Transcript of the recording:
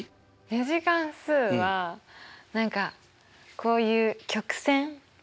２次関数は何かこういう曲線？